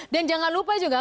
dan jangan lupa juga